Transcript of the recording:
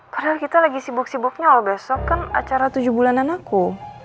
padahal kita lagi sibuk sibuknya kalau besok kan acara tujuh bulanan aku